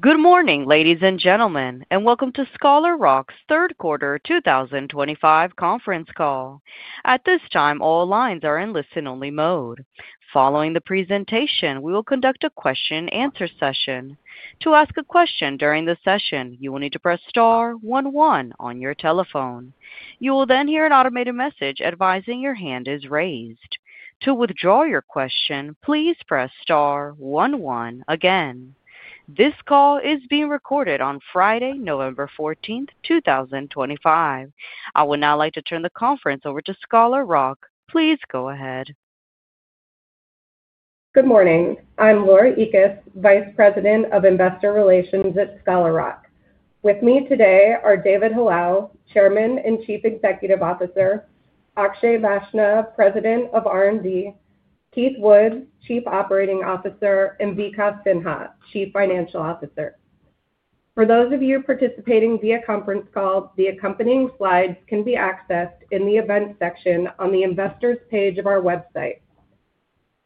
Good morning, ladies and gentlemen, and welcome to Scholar Rock's third quarter 2025 conference call. At this time, all lines are in listen-only mode. Following the presentation, we will conduct a question-and-answer session. To ask a question during the session, you will need to press star 11 on your telephone. You will then hear an automated message advising your hand is raised. To withdraw your question, please press star 11 again. This call is being recorded on Friday, November 14th, 2025. I would now like to turn the conference over to Scholar Rock. Please go ahead. Good morning. I'm Laura Ekas, Vice President of Investor Relations at Scholar Rock. With me today are David Hallal, Chairman and Chief Executive Officer, Akshay Vaishnaw, President of R&D, Keith Woods, Chief Operating Officer, and Vikas Sinha, Chief Financial Officer. For those of you participating via conference call, the accompanying slides can be accessed in the events section on the investors' page of our website.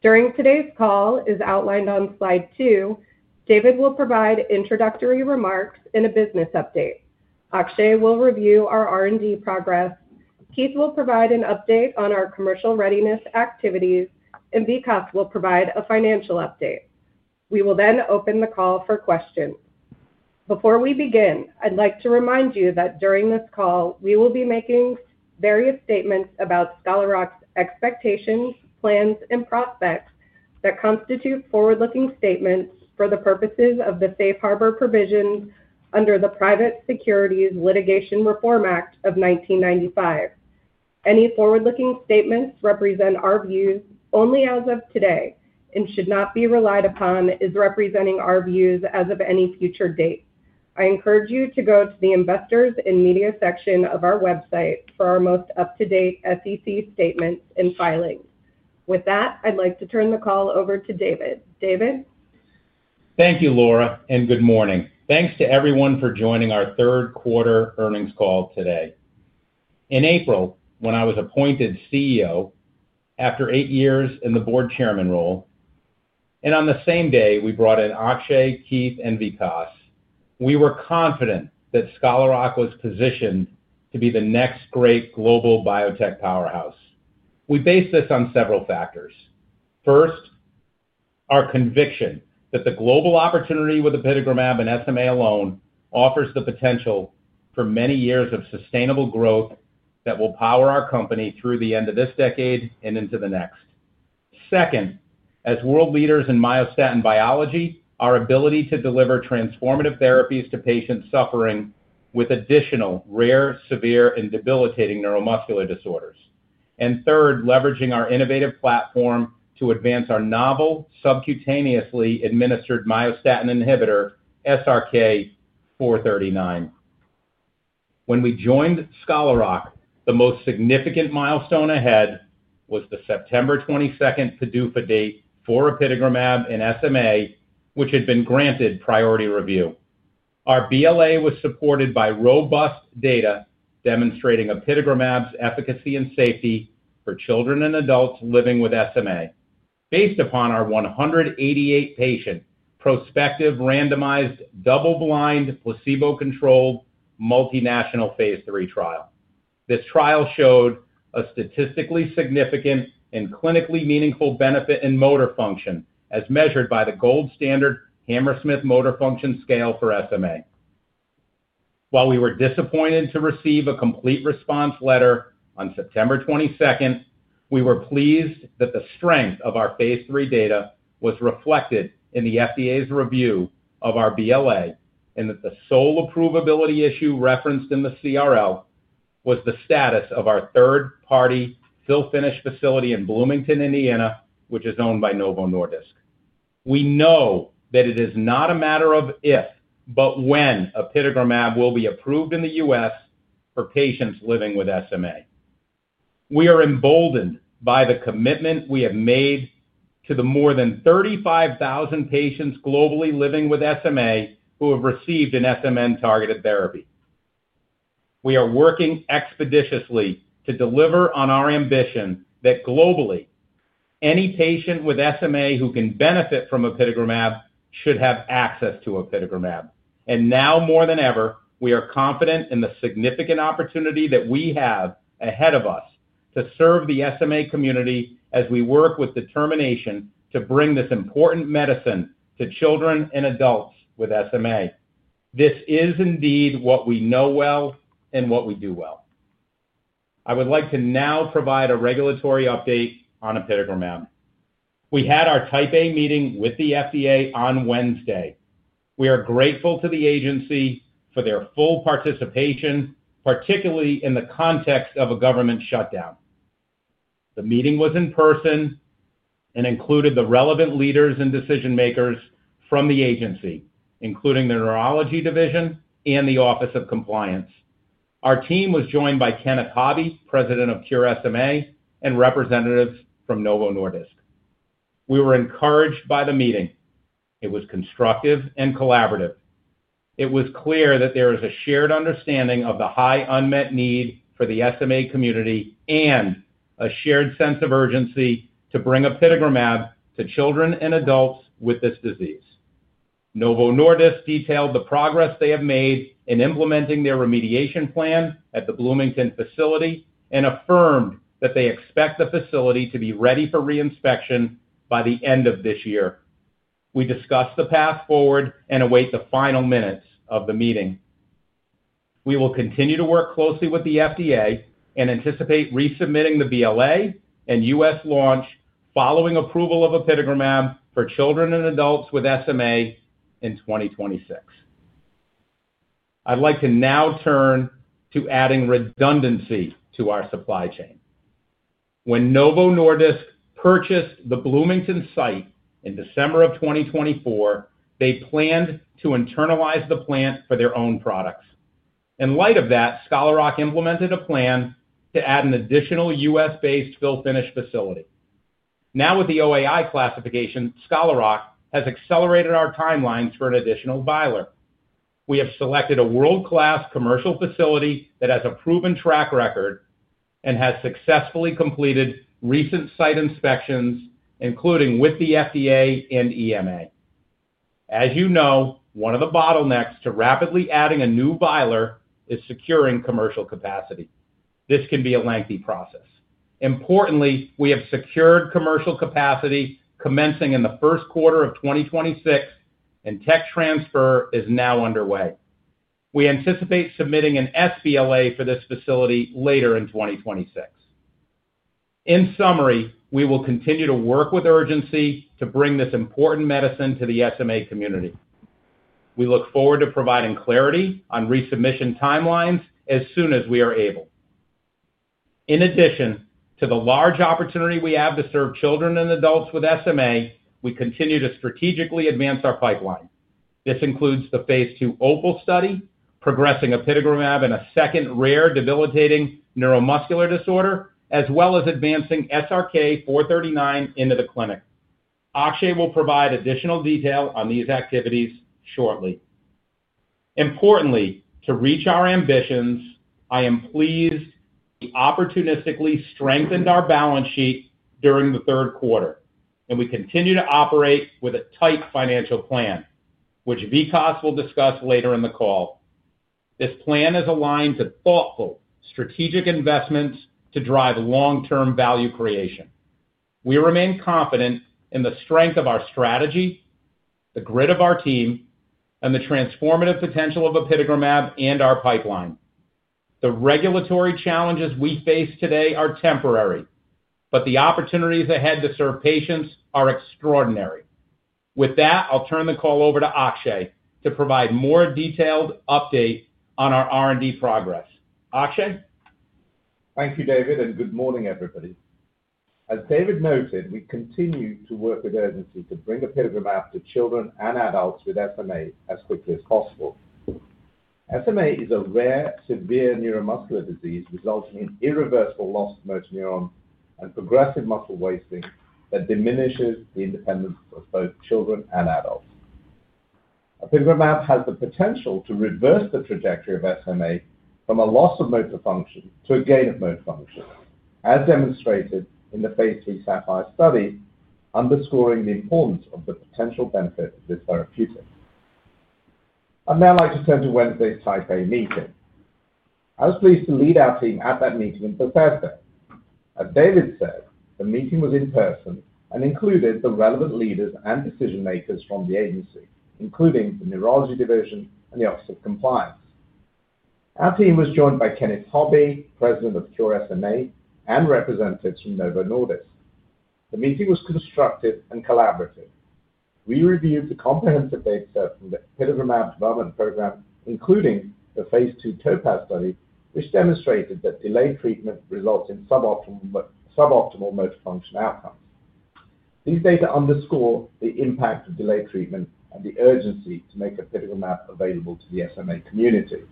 During today's call, as outlined on slide two, David will provide introductory remarks and a business update. Akshay will review our R&D progress. Keith will provide an update on our commercial readiness activities, and Vikas will provide a financial update. We will then open the call for questions. Before we begin, I'd like to remind you that during this call, we will be making various statements about Scholar Rock's expectations, plans, and prospects that constitute forward-looking statements for the purposes of the safe harbor provisions under the Private Securities Litigation Reform Act of 1995. Any forward-looking statements represent our views only as of today and should not be relied upon as representing our views as of any future date. I encourage you to go to the investors' and media section of our website for our most up-to-date SEC statements and filings. With that, I'd like to turn the call over to David. David? Thank you, Laura, and good morning. Thanks to everyone for joining our third quarter earnings call today. In April, when I was appointed CEO after eight years in the board chairman role, and on the same day we brought in Akshay, Keith, and Vikas, we were confident that Scholar Rock was positioned to be the next great global biotech powerhouse. We base this on several factors. First, our conviction that the global opportunity with apitegromab in SMA alone offers the potential for many years of sustainable growth that will power our company through the end of this decade and into the next. Second, as world leaders in myostatin biology, our ability to deliver transformative therapies to patients suffering with additional rare, severe, and debilitating neuromuscular disorders. Third, leveraging our innovative platform to advance our novel subcutaneously administered myostatin inhibitor, SRK-439. When we joined Scholar Rock, the most significant milestone ahead was the September 22nd PDUFA date for apitegromab in SMA, which had been granted priority review. Our BLA was supported by robust data demonstrating apitegromab's efficacy and safety for children and adults living with SMA, based upon our 188-patient prospective randomized double-blind placebo-controlled multinational phase 3 trial. This trial showed a statistically significant and clinically meaningful benefit in motor function, as measured by the gold standard Hammersmith Functional Motor Scale Expanded for SMA. While we were disappointed to receive a complete response letter on September 22nd, we were pleased that the strength of our phase III data was reflected in the FDA's review of our BLA and that the sole approvability issue referenced in the CRL was the status of our third-party fill-finish facility in Bloomington, Indiana, which is owned by Novo Nordisk. We know that it is not a matter of if, but when apitegromab will be approved in the U.S. for patients living with SMA. We are emboldened by the commitment we have made to the more than 35,000 patients globally living with SMA who have received an SMN-targeted therapy. We are working expeditiously to deliver on our ambition that globally any patient with SMA who can benefit from apitegromab should have access to apitegromab. Now more than ever, we are confident in the significant opportunity that we have ahead of us to serve the SMA community as we work with determination to bring this important medicine to children and adults with SMA. This is indeed what we know well and what we do well. I would like to now provide a regulatory update on apitegromab. We had our Type A meeting with the FDA on Wednesday. We are grateful to the agency for their full participation, particularly in the context of a government shutdown. The meeting was in person and included the relevant leaders and decision-makers from the agency, including the neurology division and the Office of Compliance. Our team was joined by Kenneth Hobby, President of Cure SMA, and representatives from Novo Nordisk. We were encouraged by the meeting. It was constructive and collaborative. It was clear that there is a shared understanding of the high unmet need for the SMA community and a shared sense of urgency to bring apitegromab to children and adults with this disease. Novo Nordisk detailed the progress they have made in implementing their remediation plan at the Bloomington facility and affirmed that they expect the facility to be ready for reinspection by the end of this year. We discussed the path forward and await the final minutes of the meeting. We will continue to work closely with the FDA and anticipate resubmitting the BLA and U.S. launch following approval of apitegromab for children and adults with SMA in 2026. I'd like to now turn to adding redundancy to our supply chain. When Novo Nordisk purchased the Bloomington site in December of 2024, they planned to internalize the plant for their own products. In light of that, Scholar Rock implemented a plan to add an additional U.S.-based fill-finish facility. Now with the OAI classification, Scholar Rock has accelerated our timelines for an additional vialer. We have selected a world-class commercial facility that has a proven track record and has successfully completed recent site inspections, including with the FDA and EMA. As you know, one of the bottlenecks to rapidly adding a new vialer is securing commercial capacity. This can be a lengthy process. Importantly, we have secured commercial capacity commencing in the first quarter of 2026, and tech transfer is now underway. We anticipate submitting an SBLA for this facility later in 2026. In summary, we will continue to work with urgency to bring this important medicine to the SMA community. We look forward to providing clarity on resubmission timelines as soon as we are able. In addition to the large opportunity we have to serve children and adults with SMA, we continue to strategically advance our pipeline. This includes the phase two OPAL study, progressing apitegromab in a second rare, debilitating neuromuscular disorder, as well as advancing SRK-439 into the clinic. Akshay will provide additional detail on these activities shortly. Importantly, to reach our ambitions, I am pleased we opportunistically strengthened our balance sheet during the third quarter, and we continue to operate with a tight financial plan, which Vikas will discuss later in the call. This plan is aligned to thoughtful, strategic investments to drive long-term value creation. We remain confident in the strength of our strategy, the grit of our team, and the transformative potential of apitegromab and our pipeline. The regulatory challenges we face today are temporary, but the opportunities ahead to serve patients are extraordinary. With that, I'll turn the call over to Akshay to provide a more detailed update on our R&D progress. Akshay? Thank you, David, and good morning, everybody. As David noted, we continue to work with urgency to bring apitegromab to children and adults with SMA as quickly as possible. SMA is a rare, severe neuromuscular disease resulting in irreversible loss of motor neurons and progressive muscle wasting that diminishes the independence of both children and adults. Apitegromab has the potential to reverse the trajectory of SMA from a loss of motor function to a gain of motor function, as demonstrated in the phase III SAPPHIRE study, underscoring the importance of the potential benefit of this therapeutic. I'd now like to turn to Wednesday's Type A meeting. I was pleased to lead our team at that meeting on Thursday. As David said, the meeting was in person and included the relevant leaders and decision-makers from the agency, including the neurology division and the office of compliance. Our team was joined by Kenneth Hobby, President of Cure SMA, and representatives from Novo Nordisk. The meeting was constructive and collaborative. We reviewed the comprehensive data from the apitegromab development program, including the phase II TOPAZ study, which demonstrated that delayed treatment results in suboptimal motor function outcomes. These data underscore the impact of delayed treatment and the urgency to make apitegromab available to the SMA community.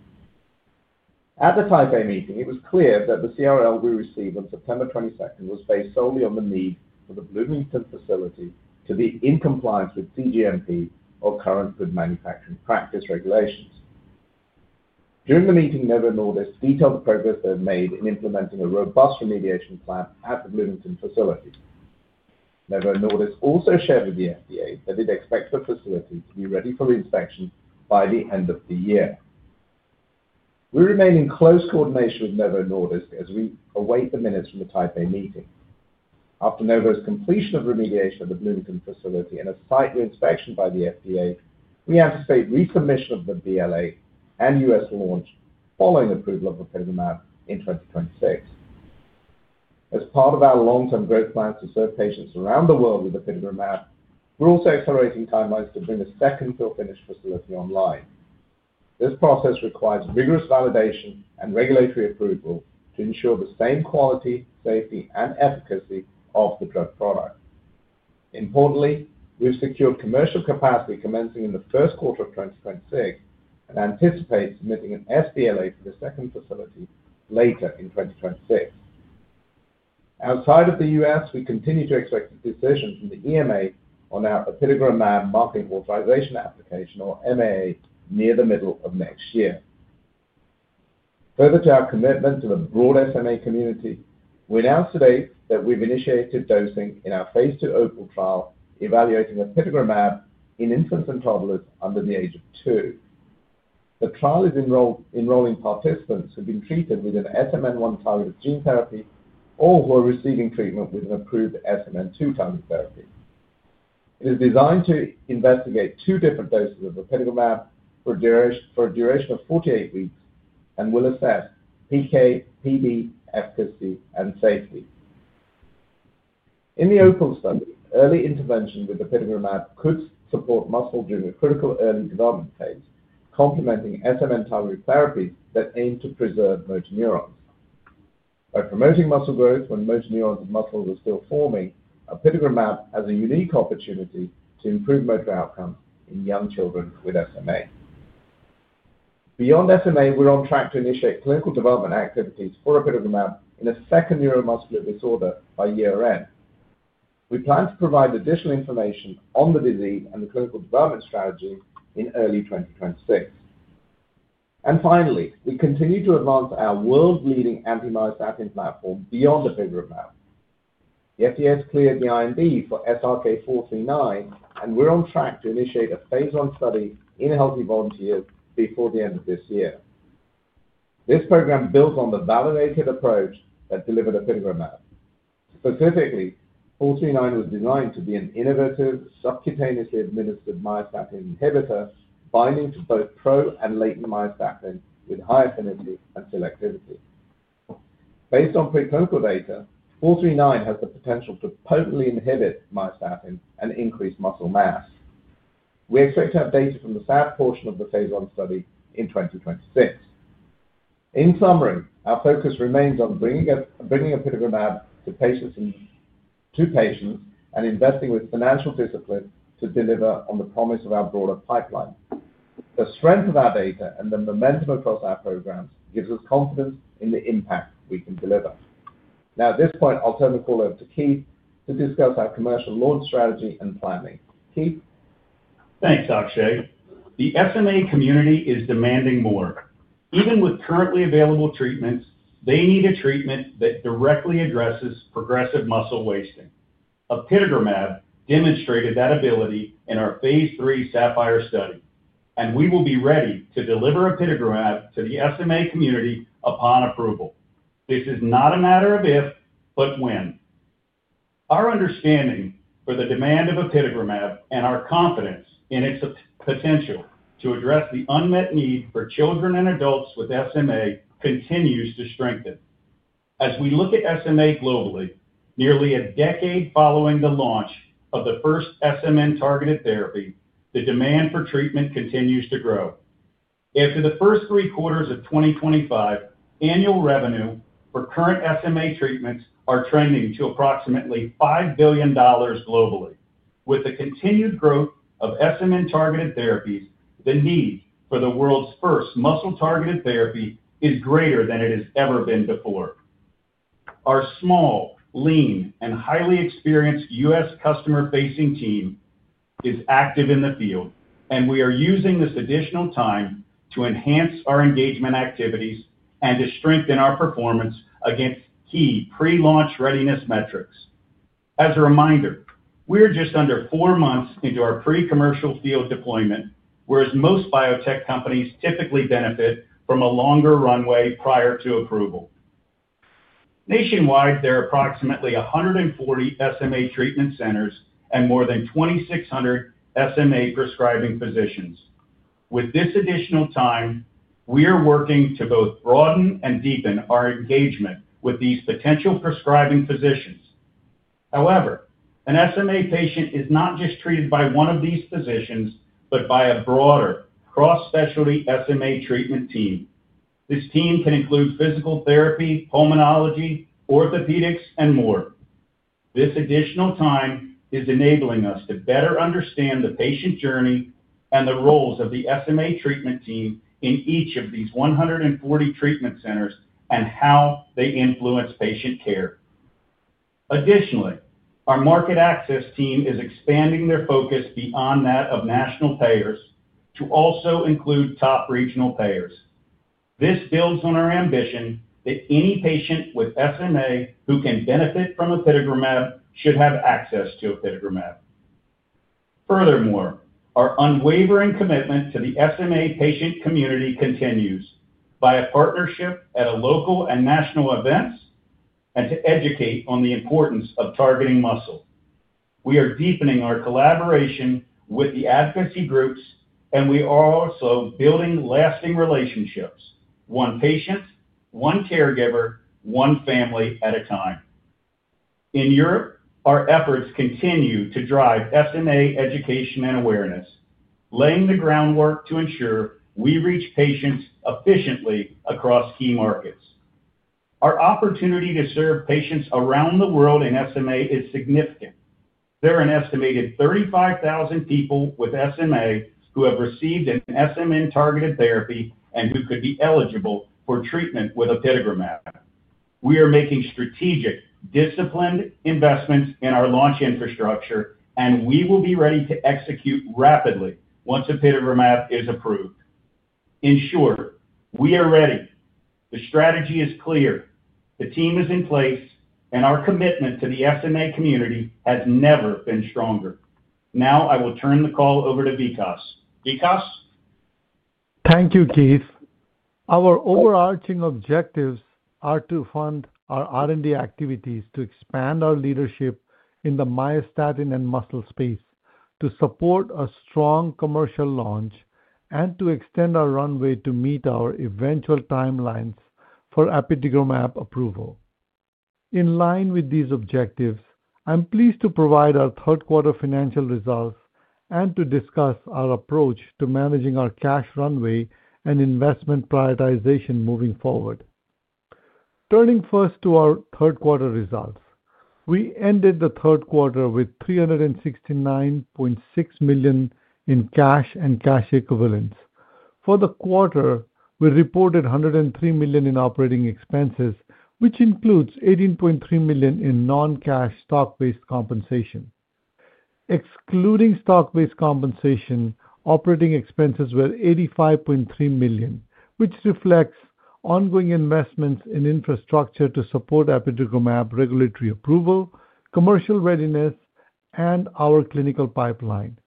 At the Type A meeting, it was clear that the CRL we received on September 22nd was based solely on the need for the Bloomington facility to be in compliance with CGMP or current good manufacturing practice regulations. During the meeting, Novo Nordisk detailed the progress they've made in implementing a robust remediation plan at the Bloomington facility. Novo Nordisk also shared with the FDA that it expects the facility to be ready for inspection by the end of the year. We remain in close coordination with Novo Nordisk as we await the minutes from the Type A meeting. After Novo's completion of remediation of the Bloomington facility and a site inspection by the FDA, we anticipate resubmission of the BLA and U.S. launch following approval of apitegromab in 2026. As part of our long-term growth plans to serve patients around the world with apitegromab, we're also accelerating timelines to bring a second fill-finish facility online. This process requires rigorous validation and regulatory approval to ensure the same quality, safety, and efficacy of the drug product. Importantly, we've secured commercial capacity commencing in the first quarter of 2026 and anticipate submitting an SBLA for the second facility later in 2026. Outside of the U.S., we continue to expect a decision from the EMA on our apitegromab marketing authorization application, or MAA, near the middle of next year. Further to our commitment to the broad SMA community, we announced today that we've initiated dosing in our phase two OPAL trial evaluating apitegromab in infants and toddlers under the age of two. The trial is enrolling participants who have been treated with an SMN1 targeted gene therapy or who are receiving treatment with an approved SMN2 targeted therapy. It is designed to investigate two different doses of apitegromab for a duration of 48 weeks and will assess PK, PD, efficacy, and safety. In the OPAL study, early intervention with apitegromab could support muscle during a critical early development phase, complementing SMN targeted therapies that aim to preserve motor neurons. By promoting muscle growth when motor neurons and muscles are still forming, apitegromab has a unique opportunity to improve motor outcomes in young children with SMA. Beyond SMA, we're on track to initiate clinical development activities for apitegromab in a second neuromuscular disorder by year-end. We plan to provide additional information on the disease and the clinical development strategy in early 2026. Finally, we continue to advance our world-leading anti-myostatin platform beyond apitegromab. The FDA has cleared the IND for SRK-439, and we're on track to initiate a phase one study in healthy volunteers before the end of this year. This program builds on the validated approach that delivered apitegromab. Specifically, 439 was designed to be an innovative subcutaneously administered myostatin inhibitor binding to both pro and latent myostatin with high affinity and selectivity. Based on preclinical data, 439 has the potential to potently inhibit myostatin and increase muscle mass. We expect to have data from the SAP portion of the phase one study in 2026. In summary, our focus remains on bringing apitegromab to patients and investing with financial discipline to deliver on the promise of our broader pipeline. The strength of our data and the momentum across our programs gives us confidence in the impact we can deliver. Now, at this point, I'll turn the call over to Keith to discuss our commercial launch strategy and planning. Keith? Thanks, Akshay. The SMA community is demanding more. Even with currently available treatments, they need a treatment that directly addresses progressive muscle wasting. Apitegromab demonstrated that ability in our phase III SAPPHIRE study, and we will be ready to deliver apitegromab to the SMA community upon approval. This is not a matter of if, but when. Our understanding for the demand of apitegromab and our confidence in its potential to address the unmet need for children and adults with SMA continues to strengthen. As we look at SMA globally, nearly a decade following the launch of the first SMN-targeted therapy, the demand for treatment continues to grow. After the first three quarters of 2025, annual revenue for current SMA treatments are trending to approximately $5 billion globally. With the continued growth of SMN-targeted therapies, the need for the world's first muscle-targeted therapy is greater than it has ever been before. Our small, lean, and highly experienced U.S. customer-facing team is active in the field, and we are using this additional time to enhance our engagement activities and to strengthen our performance against key pre-launch readiness metrics. As a reminder, we're just under four months into our pre-commercial field deployment, whereas most biotech companies typically benefit from a longer runway prior to approval. Nationwide, there are approximately 140 SMA treatment centers and more than 2,600 SMA prescribing physicians. With this additional time, we are working to both broaden and deepen our engagement with these potential prescribing physicians. However, an SMA patient is not just treated by one of these physicians, but by a broader cross-specialty SMA treatment team. This team can include physical therapy, pulmonology, orthopedics, and more. This additional time is enabling us to better understand the patient journey and the roles of the SMA treatment team in each of these 140 treatment centers and how they influence patient care. Additionally, our market access team is expanding their focus beyond that of national payers to also include top regional payers. This builds on our ambition that any patient with SMA who can benefit from apitegromab should have access to apitegromab. Furthermore, our unwavering commitment to the SMA patient community continues by a partnership at local and national events and to educate on the importance of targeting muscle. We are deepening our collaboration with the advocacy groups, and we are also building lasting relationships, one patient, one caregiver, one family at a time. In Europe, our efforts continue to drive SMA education and awareness, laying the groundwork to ensure we reach patients efficiently across key markets. Our opportunity to serve patients around the world in SMA is significant. There are an estimated 35,000 people with SMA who have received an SMN-targeted therapy and who could be eligible for treatment with apitegromab. We are making strategic, disciplined investments in our launch infrastructure, and we will be ready to execute rapidly once apitegromab is approved. In short, we are ready. The strategy is clear. The team is in place, and our commitment to the SMA community has never been stronger. Now, I will turn the call over to Vikas. Vikas? Thank you, Keith. Our overarching objectives are to fund our R&D activities to expand our leadership in the myostatin and muscle space, to support a strong commercial launch, and to extend our runway to meet our eventual timelines for apitegromab approval. In line with these objectives, I'm pleased to provide our third quarter financial results and to discuss our approach to managing our cash runway and investment prioritization moving forward. Turning first to our third quarter results, we ended the third quarter with $369.6 million in cash and cash equivalents. For the quarter, we reported $103 million in operating expenses, which includes $18.3 million in non-cash stock-based compensation. Excluding stock-based compensation, operating expenses were $85.3 million, which reflects ongoing investments in infrastructure to support apitegromab regulatory approval, commercial readiness, and our clinical pipeline.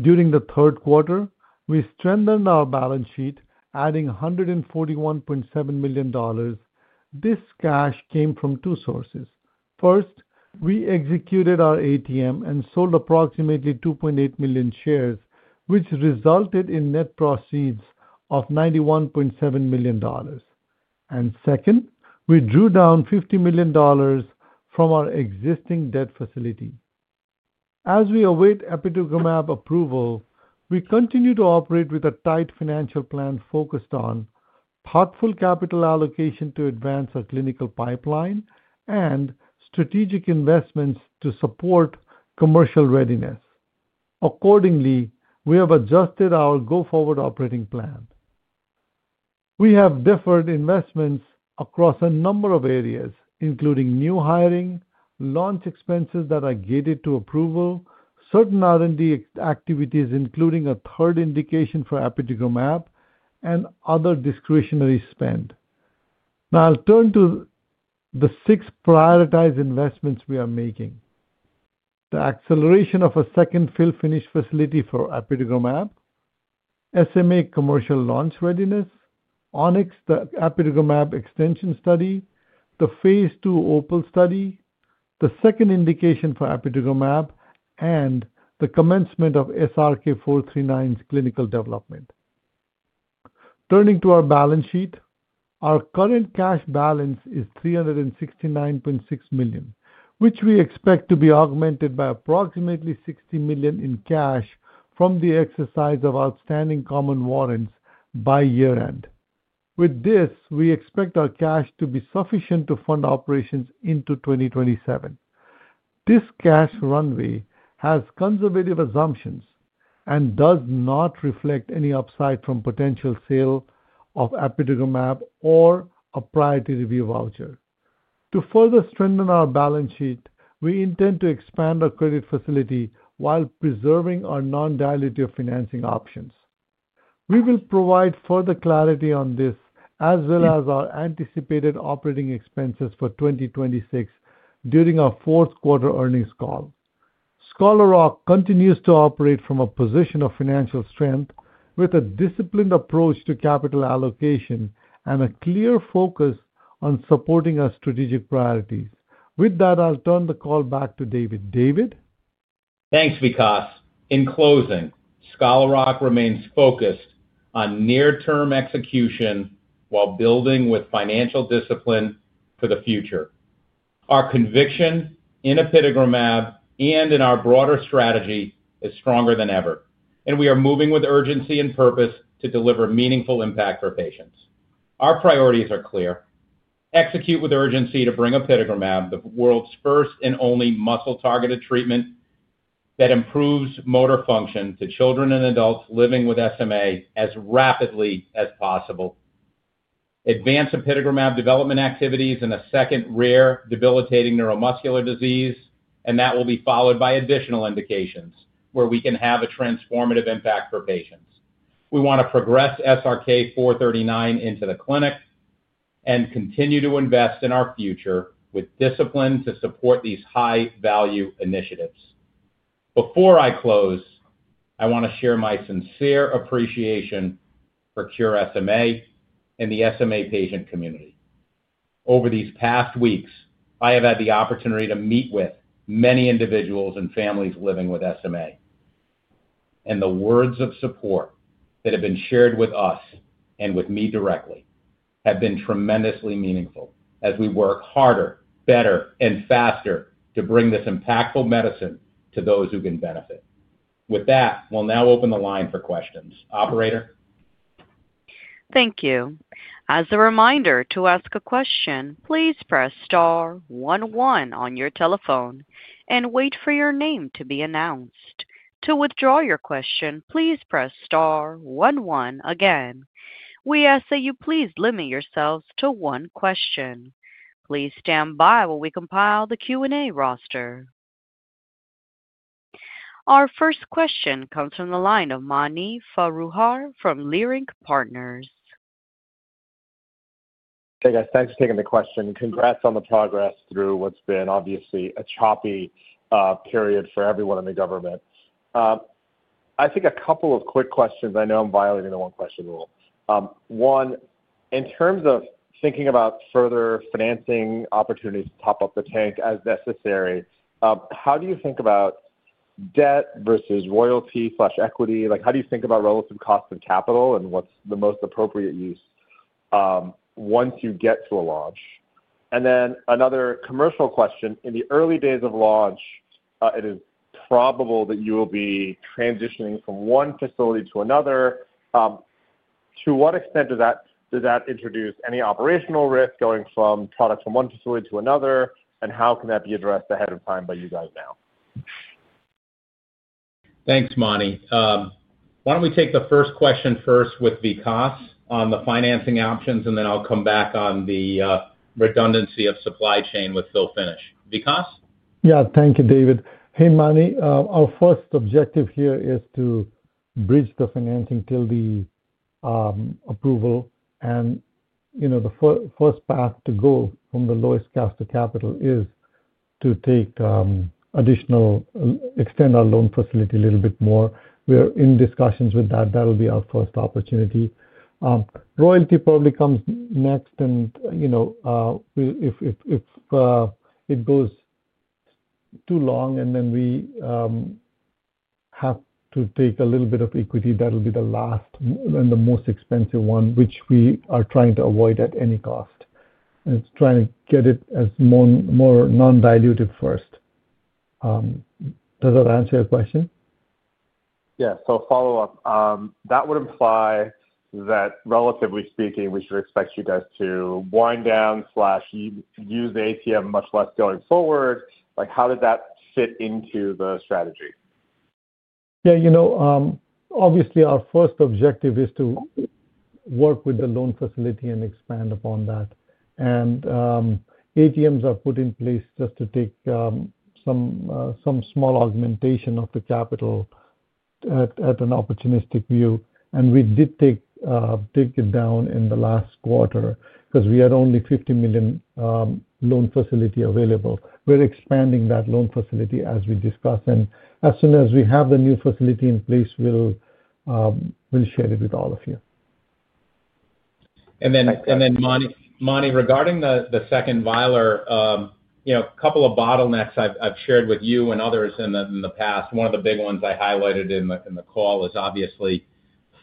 During the third quarter, we strengthened our balance sheet, adding $141.7 million. This cash came from two sources. First, we executed our ATM and sold approximately 2.8 million shares, which resulted in net proceeds of $91.7 million. Second, we drew down $50 million from our existing debt facility. As we await apitegromab approval, we continue to operate with a tight financial plan focused on thoughtful capital allocation to advance our clinical pipeline and strategic investments to support commercial readiness. Accordingly, we have adjusted our go-forward operating plan. We have deferred investments across a number of areas, including new hiring, launch expenses that are gated to approval, certain R&D activities, including a third indication for apitegromab, and other discretionary spend. Now, I'll turn to the six prioritized investments we are making: the acceleration of a second fill-finish facility for apitegromab, SMA commercial launch readiness, ONYX, the apitegromab extension study, the phase II OPAL study, the second indication for apitegromab, and the commencement of SRK-439's clinical development. Turning to our balance sheet, our current cash balance is $369.6 million, which we expect to be augmented by approximately $60 million in cash from the exercise of outstanding common warrants by year-end. With this, we expect our cash to be sufficient to fund operations into 2027. This cash runway has conservative assumptions and does not reflect any upside from potential sale of apitegromab or a priority review voucher. To further strengthen our balance sheet, we intend to expand our credit facility while preserving our non-diluted financing options. We will provide further clarity on this, as well as our anticipated operating expenses for 2026 during our fourth quarter earnings call. Scholar Rock continues to operate from a position of financial strength, with a disciplined approach to capital allocation and a clear focus on supporting our strategic priorities. With that, I'll turn the call back to David. David? Thanks, Vikas. In closing, Scholar Rock remains focused on near-term execution while building with financial discipline for the future. Our conviction in apitegromab and in our broader strategy is stronger than ever, and we are moving with urgency and purpose to deliver meaningful impact for patients. Our priorities are clear: execute with urgency to bring apitegromab, the world's first and only muscle-targeted treatment that improves motor function to children and adults living with SMA, as rapidly as possible, advance apitegromab development activities in a second rare debilitating neuromuscular disease, and that will be followed by additional indications where we can have a transformative impact for patients. We want to progress SRK-439 into the clinic and continue to invest in our future with discipline to support these high-value initiatives. Before I close, I want to share my sincere appreciation for Cure SMA and the SMA patient community. Over these past weeks, I have had the opportunity to meet with many individuals and families living with SMA, and the words of support that have been shared with us and with me directly have been tremendously meaningful as we work harder, better, and faster to bring this impactful medicine to those who can benefit. With that, we'll now open the line for questions. Operator? Thank you. As a reminder to ask a question, please press star 11 on your telephone and wait for your name to be announced. To withdraw your question, please press star 11 again. We ask that you please limit yourselves to one question. Please stand by while we compile the Q&A roster. Our first question comes from the line of Mani Foroohar from Leerink Partners. Hey, guys. Thanks for taking the question. Congrats on the progress through what's been obviously a choppy period for everyone in the government. I think a couple of quick questions. I know I'm violating the one-question rule. One, in terms of thinking about further financing opportunities to top up the tank as necessary, how do you think about debt versus royalty/equity? How do you think about relative cost of capital and what's the most appropriate use once you get to a launch? Another commercial question. In the early days of launch, it is probable that you will be transitioning from one facility to another. To what extent does that introduce any operational risk going from product from one facility to another, and how can that be addressed ahead of time by you guys now? Thanks, Mani. Why do not we take the first question first with Vikas on the financing options, and then I will come back on the redundancy of supply chain with fill-finish. Vikas? Yeah. Thank you, David. Hey, Mani. Our first objective here is to bridge the financing till the approval, and the first path to go from the lowest cash to capital is to extend our loan facility a little bit more. We're in discussions with that. That'll be our first opportunity. Royalty probably comes next, and if it goes too long and then we have to take a little bit of equity, that'll be the last and the most expensive one, which we are trying to avoid at any cost. It's trying to get it as more non-diluted first. Does that answer your question? Yeah. So a follow-up. That would imply that, relatively speaking, we should expect you guys to wind down/use the ATM much less going forward. How does that fit into the strategy? Yeah. Obviously, our first objective is to work with the loan facility and expand upon that. ATMs are put in place just to take some small augmentation of the capital at an opportunistic view. We did take it down in the last quarter because we had only $50 million loan facility available. We are expanding that loan facility as we discuss, and as soon as we have the new facility in place, we will share it with all of you. Mani, regarding the second vial, a couple of bottlenecks I've shared with you and others in the past. One of the big ones I highlighted in the call is obviously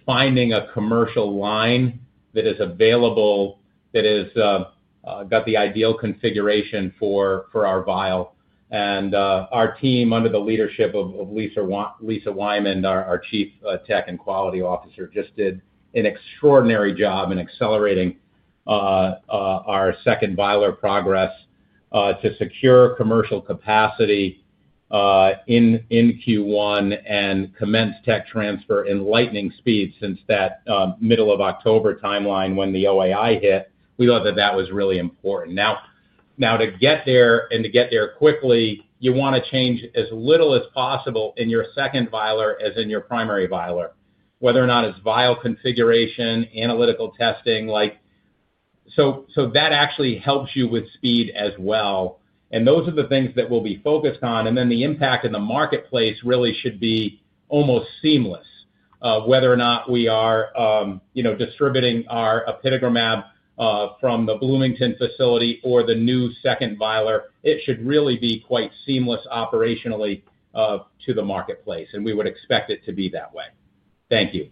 finding a commercial line that is available, that has got the ideal configuration for our vial. Our team, under the leadership of Lisa Wyman, our Chief Technical and Quality Officer, just did an extraordinary job in accelerating our second vial progress to secure commercial capacity in Q1 and commence tech transfer in lightning speed since that middle of October timeline when the OAI hit. We thought that that was really important. Now, to get there and to get there quickly, you want to change as little as possible in your second vial as in your primary vial, whether or not it's vial configuration, analytical testing. That actually helps you with speed as well. Those are the things that we'll be focused on. The impact in the marketplace really should be almost seamless. Whether or not we are distributing apitegromab from the Bloomington facility or the new second vial, it should really be quite seamless operationally to the marketplace, and we would expect it to be that way. Thank you.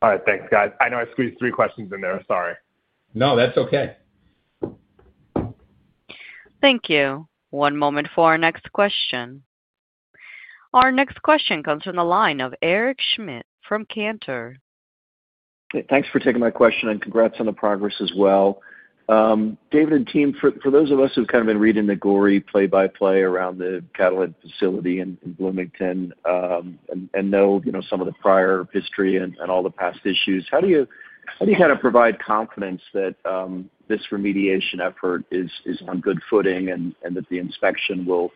All right. Thanks, guys. I know I squeezed three questions in there. Sorry. No, that's okay. Thank you. One moment for our next question. Our next question comes from the line of Eric Schmidt from Cantor. Thanks for taking my question and congrats on the progress as well. David and team, for those of us who've kind of been reading the gory play-by-play around the Catalent facility in Bloomington and know some of the prior history and all the past issues, how do you kind of provide confidence that this remediation effort is on good footing and that the inspection will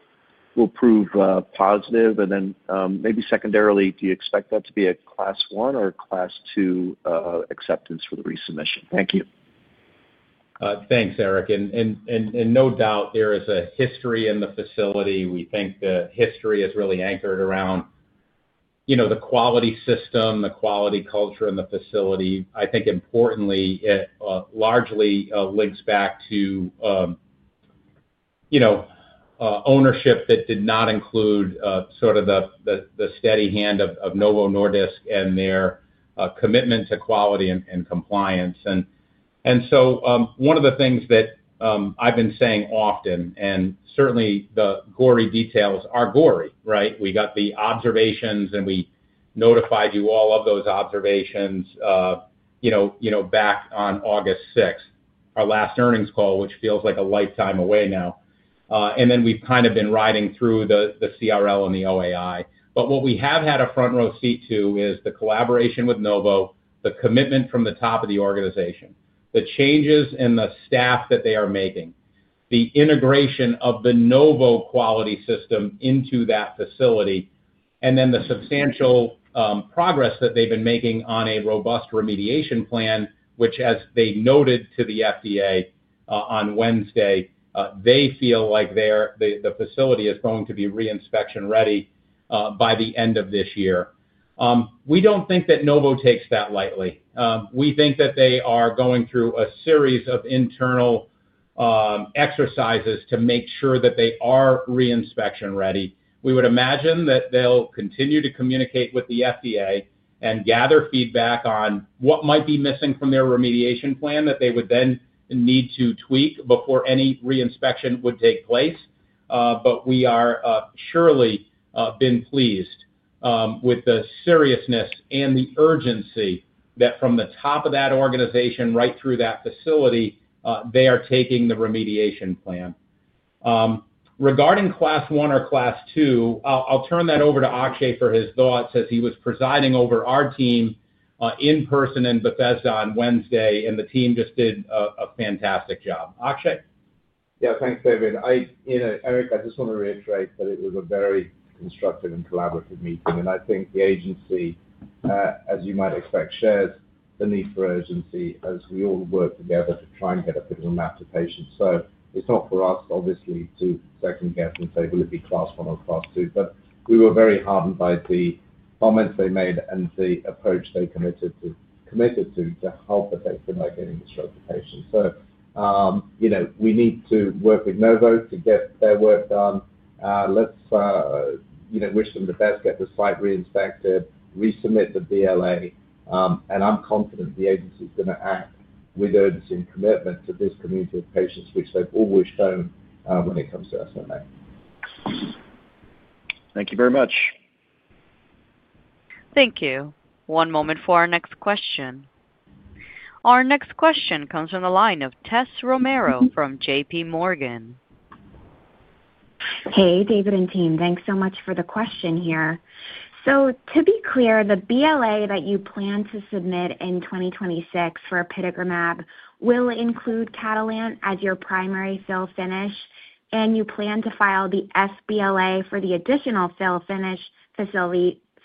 prove positive? Maybe secondarily, do you expect that to be a class one or a class two acceptance for the resubmission? Thank you. Thanks, Eric. No doubt there is a history in the facility. We think the history is really anchored around the quality system, the quality culture in the facility. I think importantly, it largely links back to ownership that did not include sort of the steady hand of Novo Nordisk and their commitment to quality and compliance. One of the things that I've been saying often, and certainly the gory details are gory, right? We got the observations, and we notified you all of those observations back on August 6, our last earnings call, which feels like a lifetime away now. We have kind of been riding through the CRL and the OAI. What we have had a front row seat to is the collaboration with Novo, the commitment from the top of the organization, the changes in the staff that they are making, the integration of the Novo quality system into that facility, and then the substantial progress that they've been making on a robust remediation plan, which, as they noted to the FDA on Wednesday, they feel like the facility is going to be reinspection ready by the end of this year. We do not think that Novo takes that lightly. We think that they are going through a series of internal exercises to make sure that they are reinspection ready. We would imagine that they'll continue to communicate with the FDA and gather feedback on what might be missing from their remediation plan that they would then need to tweak before any reinspection would take place. We are surely been pleased with the seriousness and the urgency that from the top of that organization right through that facility, they are taking the remediation plan. Regarding class one or class two, I'll turn that over to Akshay for his thoughts as he was presiding over our team in person in Bethesda on Wednesday, and the team just did a fantastic job. Akshay? Yeah. Thanks, David. Eric, I just want to reiterate that it was a very constructive and collaborative meeting, and I think the agency, as you might expect, shares the need for urgency as we all work together to try and get apitegromab to patients. It is not for us, obviously, to second guess and say, "Will it be class one or class two?" We were very heartened by the comments they made and the approach they committed to help effecting by getting this drug to patients. We need to work with Novo to get their work done. Let's wish them the best, get the site reinspected, resubmit the BLA, and I am confident the agency is going to act with urgency and commitment to this community of patients, which they have always shown when it comes to SMA. Thank you very much. Thank you. One moment for our next question. Our next question comes from the line of Tessa Romero from JPMorgan. Hey, David and team. Thanks so much for the question here. To be clear, the BLA that you plan to submit in 2026 for apitegromab will include Catalent as your primary fill-finish, and you plan to file the SBLA for the additional fill-finish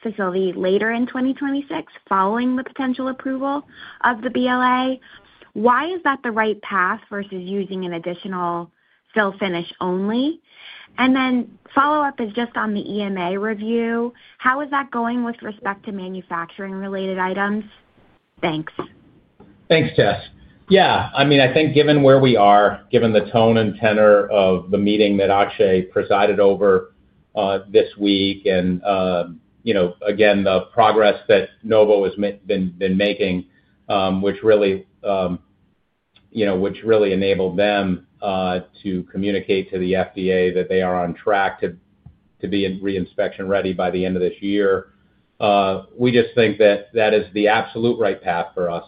facility later in 2026 following the potential approval of the BLA. Why is that the right path versus using an additional fill-finish only? The follow-up is just on the EMA review. How is that going with respect to manufacturing-related items? Thanks. Thanks, Tess. Yeah. I mean, I think given where we are, given the tone and tenor of the meeting that Akshay presided over this week, and again, the progress that Novo has been making, which really enabled them to communicate to the FDA that they are on track to be reinspection ready by the end of this year, we just think that that is the absolute right path for us.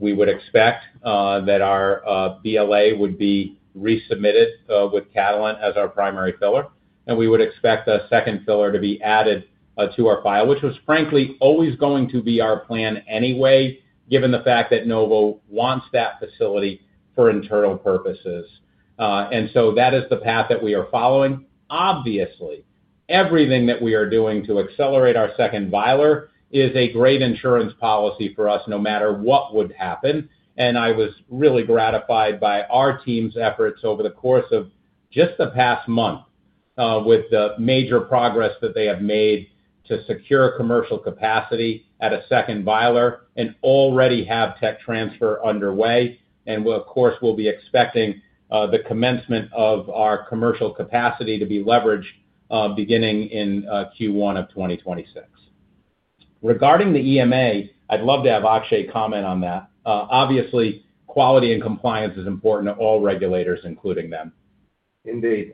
We would expect that our BLA would be resubmitted with Catalent as our primary filler, and we would expect a second filler to be added to our file, which was, frankly, always going to be our plan anyway, given the fact that Novo wants that facility for internal purposes. That is the path that we are following. Obviously, everything that we are doing to accelerate our second vial is a great insurance policy for us no matter what would happen. I was really gratified by our team's efforts over the course of just the past month with the major progress that they have made to secure commercial capacity at a second vial and already have tech transfer underway. Of course, we will be expecting the commencement of our commercial capacity to be leveraged beginning in Q1 of 2026. Regarding the EMA, I would love to have Akshay comment on that. Obviously, quality and compliance is important to all regulators, including them. Indeed.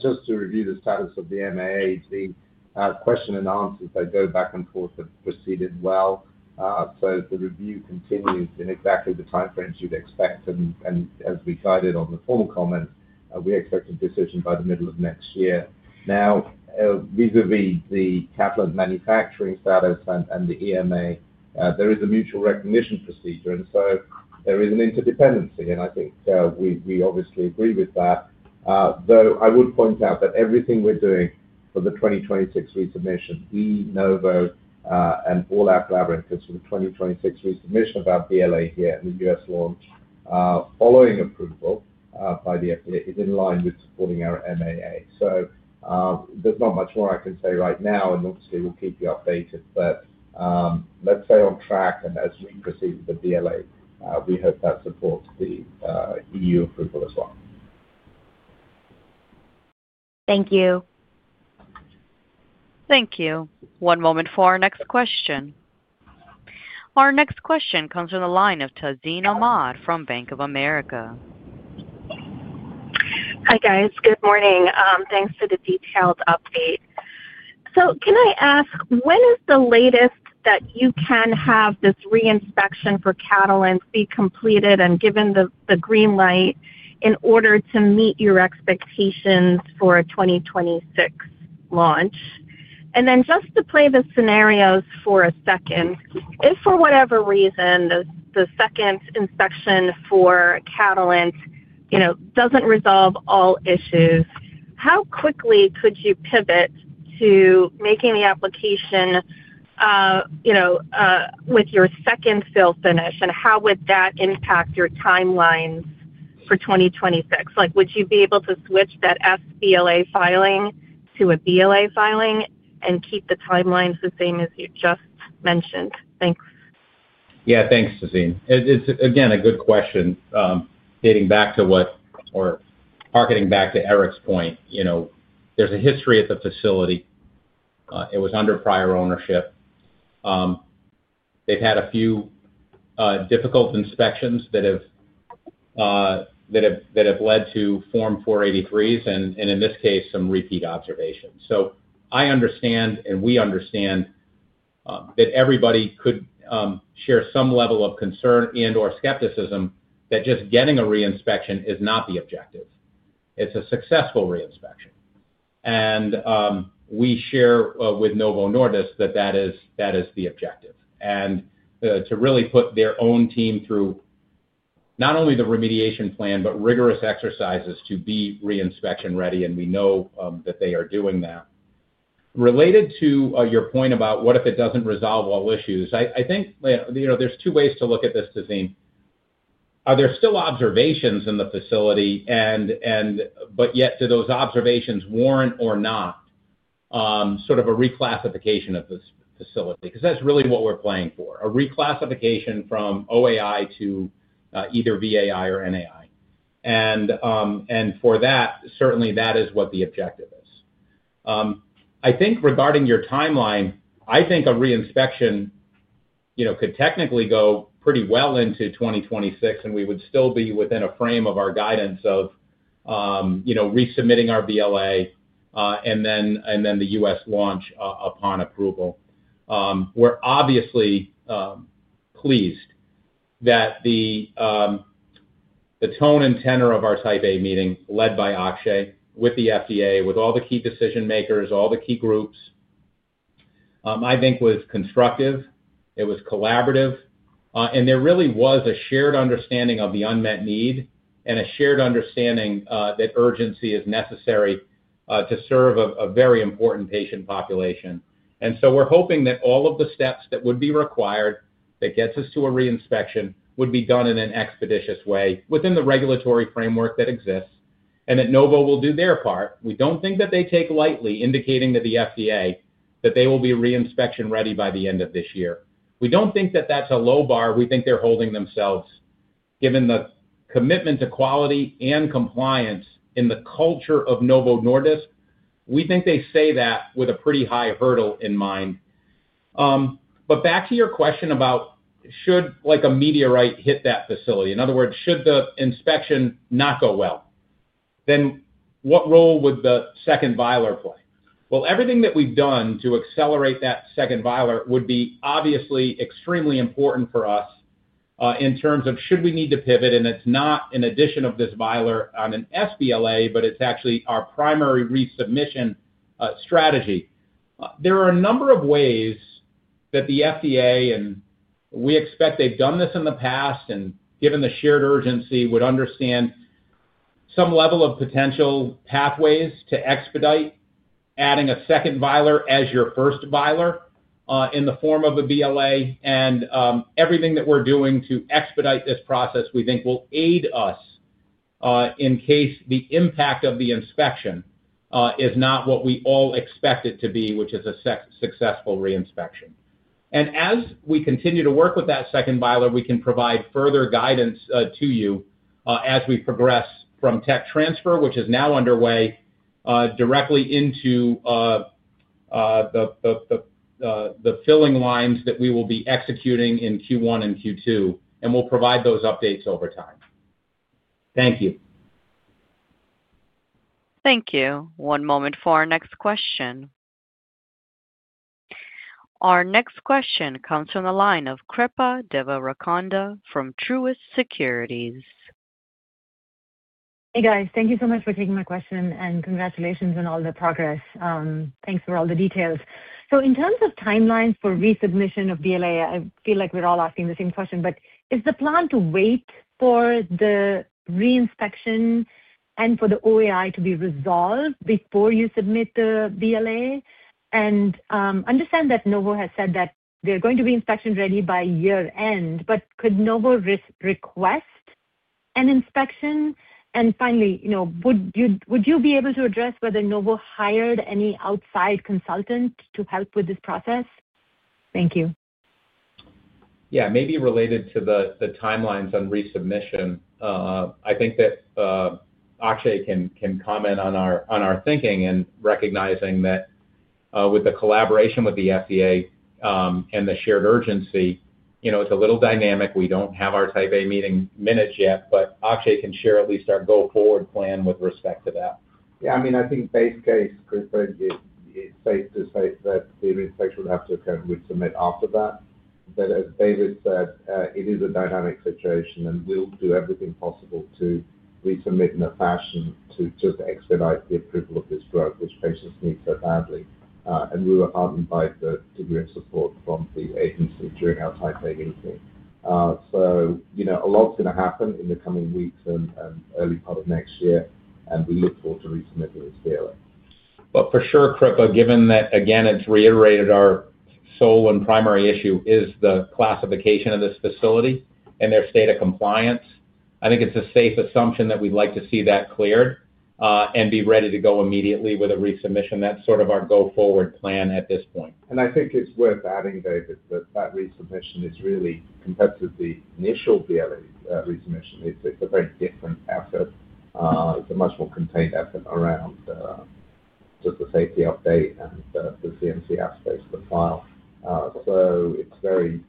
Just to review the status of the MAA, the question and answers, they go back and forth, have proceeded well. The review continues in exactly the timeframes you'd expect. As we guided on the formal comments, we expect a decision by the middle of next year. Now, vis-à-vis the Catalent manufacturing status and the EMA, there is a mutual recognition procedure, and there is an interdependency, and I think we obviously agree with that. I would point out that everything we're doing for the 2026 resubmission, we, Novo, and all our collaborators for the 2026 resubmission of our BLA here in the U.S. launch following approval by the FDA is in line with supporting our MAA. There's not much more I can say right now, and obviously, we'll keep you updated. Let's stay on track, and as we proceed with the BLA, we hope that supports the EU approval as well. Thank you. Thank you. One moment for our next question. Our next question comes from the line of Tazeen Ahmad from Bank of America. Hi, guys. Good morning. Thanks for the detailed update. Can I ask, when is the latest that you can have this reinspection for Catalent be completed and given the green light in order to meet your expectations for a 2026 launch? Just to play the scenarios for a second, if for whatever reason the second inspection for Catalent doesn't resolve all issues, how quickly could you pivot to making the application with your second fill-finish, and how would that impact your timelines for 2026? Would you be able to switch that SBLA filing to a BLA filing and keep the timelines the same as you just mentioned? Thanks. Yeah. Thanks, Tazeen. It's, again, a good question. Dating back to what or harkening back to Eric's point, there's a history at the facility. It was under prior ownership. They've had a few difficult inspections that have led to Form 483s and, in this case, some repeat observations. I understand and we understand that everybody could share some level of concern and/or skepticism that just getting a reinspection is not the objective. It's a successful reinspection. We share with Novo Nordisk that that is the objective. To really put their own team through not only the remediation plan but rigorous exercises to be reinspection ready, and we know that they are doing that. Related to your point about what if it doesn't resolve all issues, I think there's two ways to look at this, Tazeen. Are there still observations in the facility, but yet do those observations warrant or not sort of a reclassification of this facility? Because that's really what we're playing for, a reclassification from OAI to either VAI or NAI. For that, certainly, that is what the objective is. I think regarding your timeline, I think a reinspection could technically go pretty well into 2026, and we would still be within a frame of our guidance of resubmitting our BLA and then the US launch upon approval. We're obviously pleased that the tone and tenor of our Type A meeting led by Akshay with the FDA, with all the key decision-makers, all the key groups, I think was constructive. It was collaborative. There really was a shared understanding of the unmet need and a shared understanding that urgency is necessary to serve a very important patient population. We're hoping that all of the steps that would be required that get us to a reinspection would be done in an expeditious way within the regulatory framework that exists, and that Novo will do their part. We don't think that they take lightly indicating to the FDA that they will be reinspection ready by the end of this year. We don't think that that's a low bar. We think they're holding themselves, given the commitment to quality and compliance in the culture of Novo Nordisk. We think they say that with a pretty high hurdle in mind. Back to your question about should a meteorite hit that facility? In other words, should the inspection not go well, then what role would the second vial play? Everything that we've done to accelerate that second vial would be obviously extremely important for us in terms of should we need to pivot, and it's not an addition of this vial on an SBLA, but it's actually our primary resubmission strategy. There are a number of ways that the FDA, and we expect they've done this in the past and, given the shared urgency, would understand some level of potential pathways to expedite adding a second vial as your first vial in the form of a BLA. Everything that we're doing to expedite this process, we think, will aid us in case the impact of the inspection is not what we all expect it to be, which is a successful reinspection. As we continue to work with that second vial, we can provide further guidance to you as we progress from tech transfer, which is now underway, directly into the filling lines that we will be executing in Q1 and Q2, and we will provide those updates over time. Thank you. Thank you. One moment for our next question. Our next question comes from the line of Kripa Devarakonda from Truist Securities. Hey, guys. Thank you so much for taking my question, and congratulations on all the progress. Thanks for all the details. In terms of timelines for resubmission of BLA, I feel like we're all asking the same question, but is the plan to wait for the reinspection and for the OAI to be resolved before you submit the BLA? I understand that Novo has said that they're going to be inspection ready by year-end, but could Novo request an inspection? Finally, would you be able to address whether Novo hired any outside consultant to help with this process? Thank you. Yeah. Maybe related to the timelines on resubmission, I think that Akshay can comment on our thinking and recognizing that with the collaboration with the FDA and the shared urgency, it's a little dynamic. We don't have our Type A meeting minutes yet, but Akshay can share at least our go-forward plan with respect to that. Yeah. I mean, I think base case, Kripa, it's safe to say that the reinspection would have to occur and we'd submit after that. As David said, it is a dynamic situation, and we'll do everything possible to resubmit in a fashion to just expedite the approval of this drug, which patients need so badly. We were heartened by the degree of support from the agency during our Type A meeting. A lot's going to happen in the coming weeks and early part of next year, and we look forward to resubmitting this BLA. Kripa, given that, again, it's reiterated our sole and primary issue is the classification of this facility and their state of compliance. I think it's a safe assumption that we'd like to see that cleared and be ready to go immediately with a resubmission. That's sort of our go-forward plan at this point. I think it's worth adding, David, that that resubmission is really compared to the initial BLA resubmission, it's a very different effort. It's a much more contained effort around just the safety update and the CMC aspects of the file. It's very,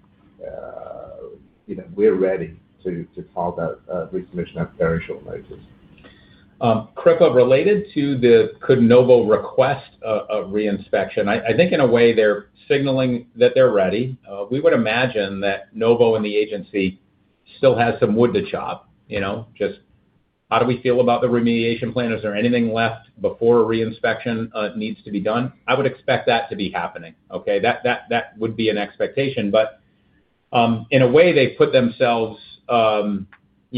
we're ready to file that resubmission at very short notice. Kripa, related to the, could Novo request a reinspection? I think in a way they're signaling that they're ready. We would imagine that Novo and the agency still has some wood to chop. Just how do we feel about the remediation plan? Is there anything left before a reinspection needs to be done? I would expect that to be happening, okay? That would be an expectation. In a way, they've put themselves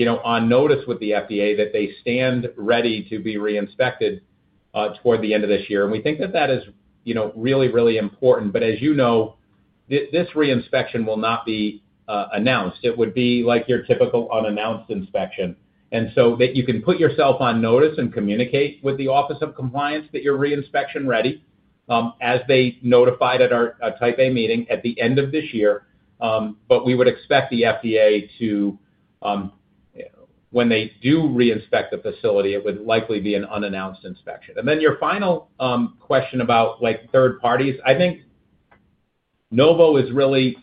on notice with the FDA that they stand ready to be reinspected toward the end of this year. We think that that is really, really important. As you know, this reinspection will not be announced. It would be like your typical unannounced inspection. So that you can put yourself on notice and communicate with the Office of Compliance that you're reinspection ready as they notified at our Type A meeting at the end of this year. We would expect the FDA to, when they do reinspect the facility, it would likely be an unannounced inspection. Your final question about third parties, I think Novo is really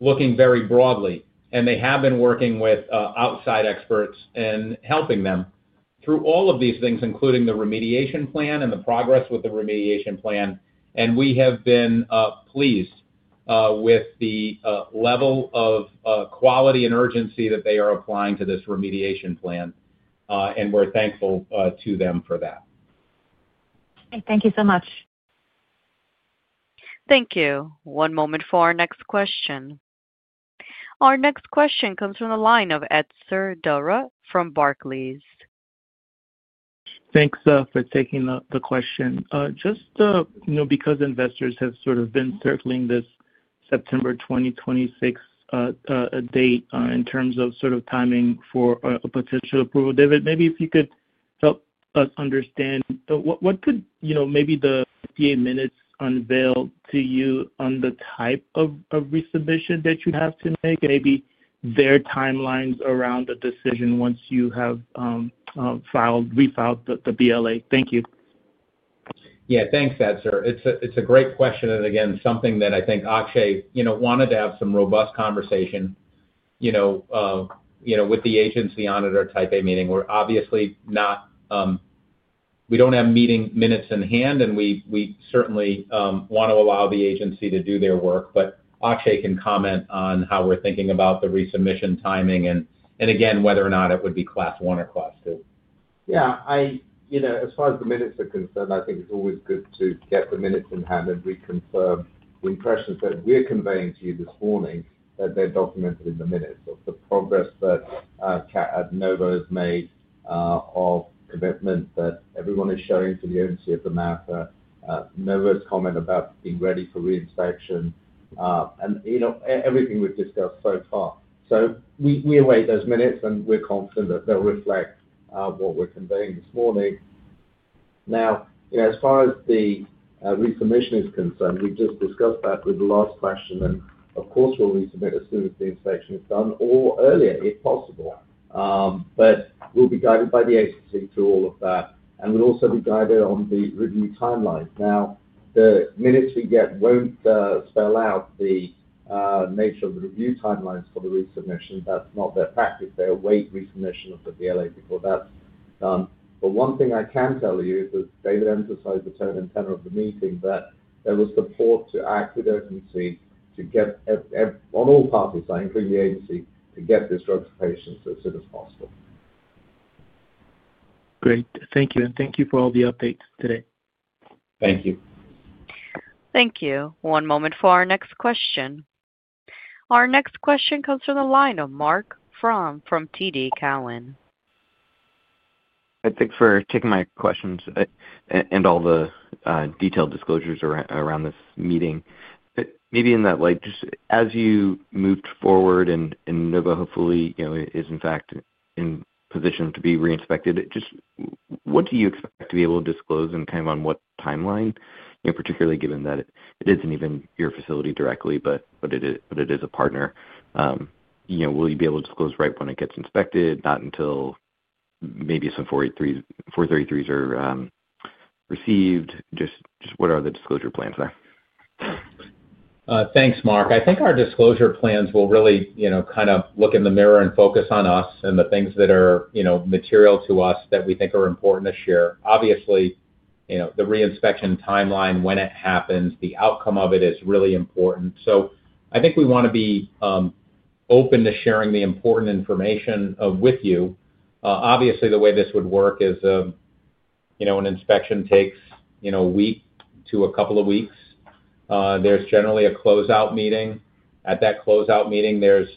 looking very broadly, and they have been working with outside experts and helping them through all of these things, including the remediation plan and the progress with the remediation plan. We have been pleased with the level of quality and urgency that they are applying to this remediation plan, and we're thankful to them for that. Thank you so much. Thank you. One moment for our next question. Our next question comes from the line of Edsur Dara from Barclays. Thanks, for taking the question. Just because investors have sort of been circling this September 2026 date in terms of sort of timing for a potential approval, David, maybe if you could help us understand what could maybe the FDA minutes unveil to you on the type of resubmission that you'd have to make, maybe their timelines around the decision once you have refiled the BLA. Thank you. Yeah. Thanks, Edsur. It's a great question. Again, something that I think Akshay wanted to have some robust conversation with the agency on at our Type A meeting. We're obviously not, we don't have meeting minutes in hand, and we certainly want to allow the agency to do their work. Akshay can comment on how we're thinking about the resubmission timing and, again, whether or not it would be Class 1 or Class 2. Yeah. As far as the minutes are concerned, I think it's always good to get the minutes in hand and reconfirm the impressions that we're conveying to you this morning that they're documented in the minutes of the progress that Novo has made of commitment that everyone is showing to the agency of the matter, Novo's comment about being ready for reinspection, and everything we've discussed so far. We await those minutes, and we're confident that they'll reflect what we're conveying this morning. Now, as far as the resubmission is concerned, we just discussed that with the last question. Of course, we'll resubmit as soon as the inspection is done or earlier if possible. We'll be guided by the agency through all of that, and we'll also be guided on the review timelines. Now, the minutes we get will not spell out the nature of the review timelines for the resubmission. That is not their practice. They await resubmission of the BLA before that is done. One thing I can tell you is, as David emphasized, the tone and tenor of the meeting was that there was support to act with the agency on all parties, including the agency, to get this drug to patients as soon as possible. Great. Thank you. Thank you for all the updates today. Thank you. Thank you. One moment for our next question. Our next question comes from the line of Marc Frahm from TD Cowen. Thanks for taking my questions and all the detailed disclosures around this meeting. Maybe in that light, just as you moved forward and Novo hopefully is, in fact, in position to be reinspected, just what do you expect to be able to disclose and kind of on what timeline, particularly given that it isn't even your facility directly, but it is a partner? Will you be able to disclose right when it gets inspected, not until maybe some 483s are received? Just what are the disclosure plans there? Thanks, Mark. I think our disclosure plans will really kind of look in the mirror and focus on us and the things that are material to us that we think are important to share. Obviously, the reinspection timeline, when it happens, the outcome of it is really important. I think we want to be open to sharing the important information with you. Obviously, the way this would work is an inspection takes a week to a couple of weeks. There's generally a closeout meeting. At that closeout meeting, there's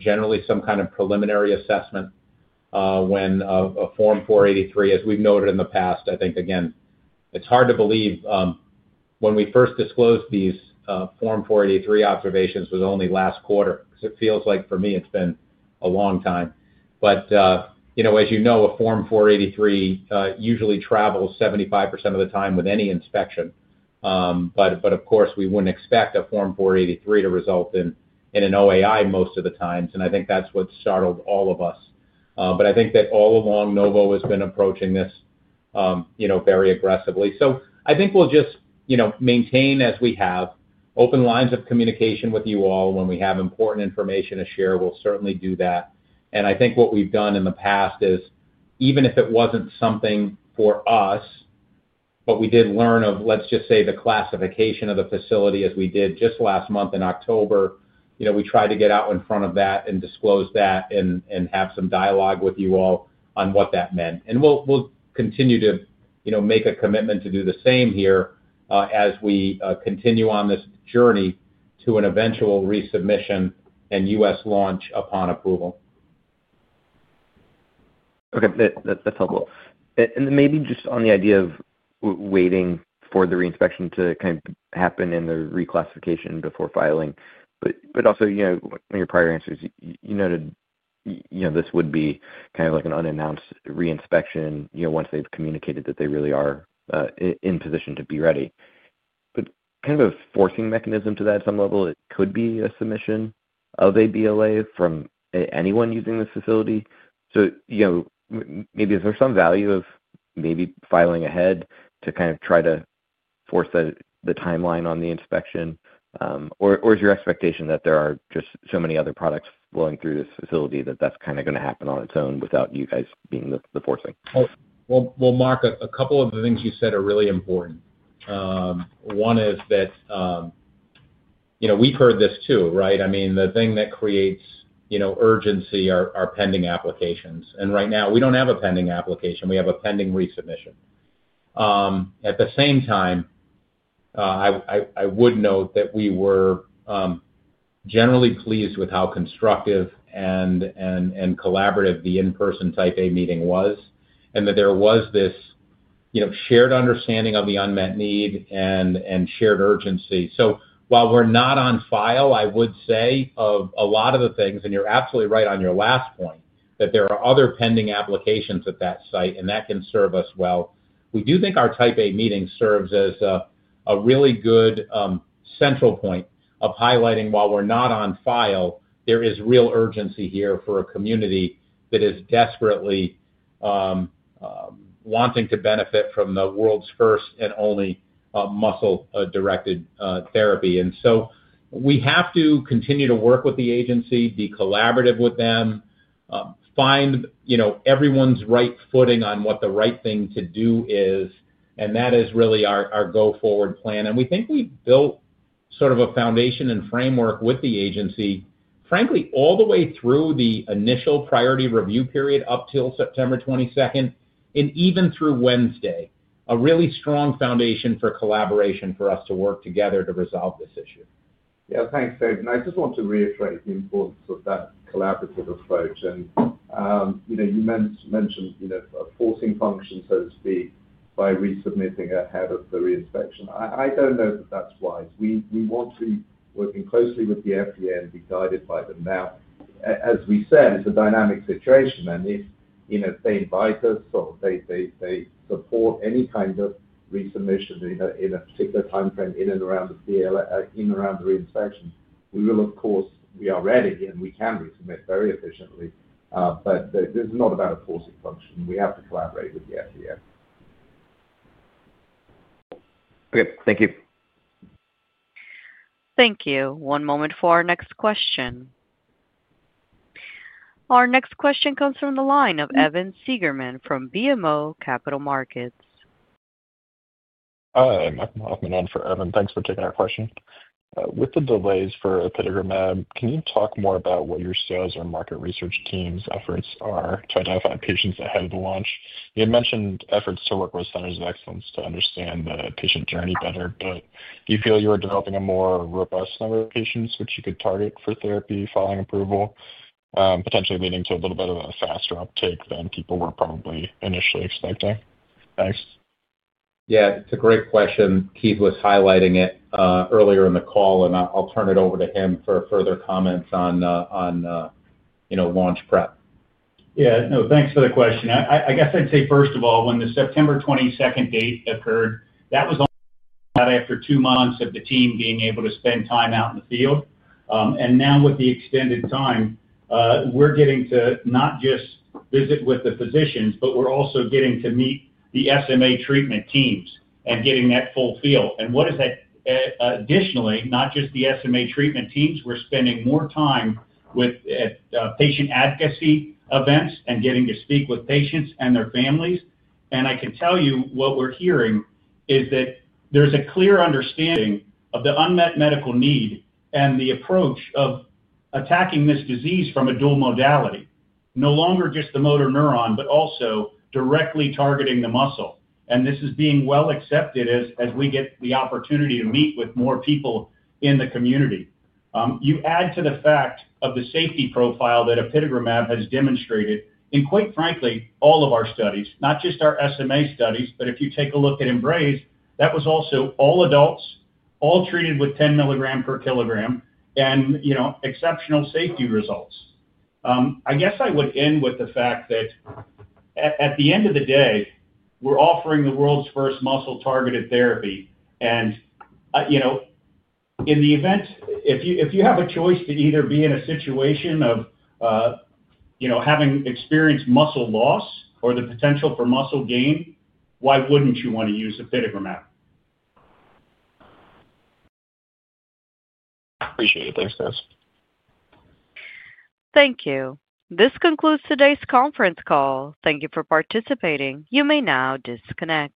generally some kind of preliminary assessment when a Form 483, as we've noted in the past, I think, again, it's hard to believe when we first disclosed these Form 483 observations was only last quarter because it feels like for me it's been a long time. As you know, a Form 483 usually travels 75% of the time with any inspection. Of course, we would not expect a Form 483 to result in an OAI most of the times. I think that is what startled all of us. I think that all along, Novo has been approaching this very aggressively. I think we will just maintain as we have open lines of communication with you all. When we have important information to share, we will certainly do that. I think what we have done in the past is, even if it was not something for us, but we did learn of, let us just say, the classification of the facility as we did just last month in October, we tried to get out in front of that and disclose that and have some dialogue with you all on what that meant. We will continue to make a commitment to do the same here as we continue on this journey to an eventual resubmission and U.S. launch upon approval. Okay. That's helpful. Maybe just on the idea of waiting for the reinspection to kind of happen and the reclassification before filing. Also, in your prior answers, you noted this would be kind of like an unannounced reinspection once they've communicated that they really are in position to be ready. Kind of a forcing mechanism to that, at some level, it could be a submission of a BLA from anyone using this facility. Maybe is there some value of maybe filing ahead to kind of try to force the timeline on the inspection? Or is your expectation that there are just so many other products flowing through this facility that that's kind of going to happen on its own without you guys being the forcing? Mark, a couple of the things you said are really important. One is that we've heard this too, right? I mean, the thing that creates urgency are pending applications. Right now, we do not have a pending application. We have a pending resubmission. At the same time, I would note that we were generally pleased with how constructive and collaborative the in-person Type A meeting was and that there was this shared understanding of the unmet need and shared urgency. While we are not on file, I would say, of a lot of the things, and you are absolutely right on your last point, that there are other pending applications at that site, and that can serve us well. We do think our Type A meeting serves as a really good central point of highlighting while we're not on file, there is real urgency here for a community that is desperately wanting to benefit from the world's first and only muscle-directed therapy. We have to continue to work with the agency, be collaborative with them, find everyone's right footing on what the right thing to do is, and that is really our go-forward plan. We think we've built sort of a foundation and framework with the agency, frankly, all the way through the initial priority review period up till September 22 and even through Wednesday, a really strong foundation for collaboration for us to work together to resolve this issue. Yeah. Thanks, David. I just want to reiterate the importance of that collaborative approach. You mentioned a forcing function, so to speak, by resubmitting ahead of the reinspection. I do not know that that is wise. We want to be working closely with the FDA and be guided by them. Now, as we said, it is a dynamic situation. If they invite us or they support any kind of resubmission in a particular timeframe in and around the reinspection, we will, of course, we are ready, and we can resubmit very efficiently. This is not about a forcing function. We have to collaborate with the FDA. Okay. Thank you. Thank you. One moment for our next question. Our next question comes from the line of Evan Siegerman from BMO Capital Markets. Hi. I'm on for Evan. Thanks for taking our question. With the delays for apitegromab, can you talk more about what your sales or market research team's efforts are to identify patients ahead of the launch? You had mentioned efforts to work with Centers of Excellence to understand the patient journey better. Do you feel you are developing a more robust number of patients which you could target for therapy following approval, potentially leading to a little bit of a faster uptake than people were probably initially expecting? Thanks. Yeah. It's a great question. Keith was highlighting it earlier in the call, and I'll turn it over to him for further comments on launch prep. Yeah. No. Thanks for the question. I guess I'd say, first of all, when the September 22nd date occurred, that was not after two months of the team being able to spend time out in the field. Now with the extended time, we're getting to not just visit with the physicians, but we're also getting to meet the SMA treatment teams and getting that full feel. What is that additionally, not just the SMA treatment teams, we're spending more time with patient advocacy events and getting to speak with patients and their families. I can tell you what we're hearing is that there's a clear understanding of the unmet medical need and the approach of attacking this disease from a dual modality, no longer just the motor neuron, but also directly targeting the muscle. This is being well accepted as we get the opportunity to meet with more people in the community. You add to the fact of the safety profile that apitegromab has demonstrated in, quite frankly, all of our studies, not just our SMA studies, but if you take a look at Embrace, that was also all adults, all treated with 10 mg per kg, and exceptional safety results. I guess I would end with the fact that at the end of the day, we're offering the world's first muscle-targeted therapy. In the event, if you have a choice to either be in a situation of having experienced muscle loss or the potential for muscle gain, why wouldn't you want to use apitegromab? Appreciate it. Thanks, guys. Thank you. This concludes today's conference call. Thank you for participating. You may now disconnect.